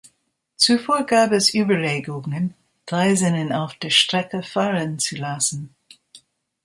Zuvor gab es Überlegungen, Draisinen auf der Strecke fahren zu lassen.